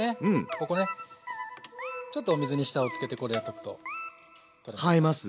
ここねちょっとお水に下をつけてこれ置いとくと。生えます？